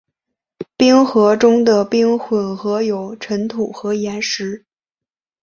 冰河中的冰混合有尘土和岩石。